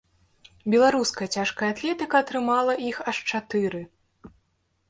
Беларуская цяжкая атлетыка атрымала іх аж чатыры.